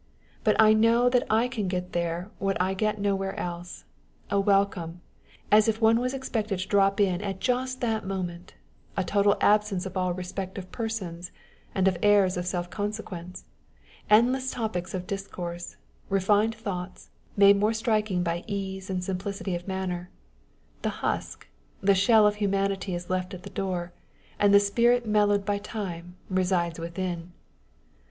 But I know that I can get there what I get nowhere else â€" a welcome, as if one was expected to drop in just at that moment, a total absence of all respect of persons and of airs of self consequence, endless topics of discourse, refined thoughts, made more striking by ease and simplicity of manner â€" the husk, the shell of humanity is left at the door, and the spirit mellowed by time, resides within